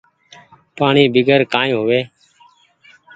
پآڻيٚ بيگر ڪآئي هوئي ۔